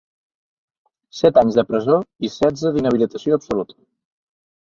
Set anys de presó i setze d’inhabilitació absoluta.